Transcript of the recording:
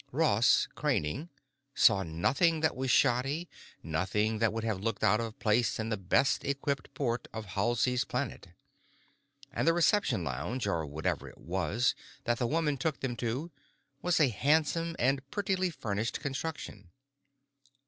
Ross, craning, saw nothing that was shoddy, nothing that would have looked out of place in the best equipped port of Halsey's Planet. And the reception lounge, or whatever it was, that the woman took them to was a handsome and prettily furnished construction.